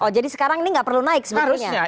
jadi sekarang ini gak perlu naik sebetulnya